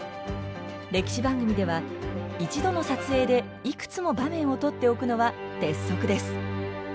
歴史番組では一度の撮影でいくつも場面を撮っておくのは鉄則です。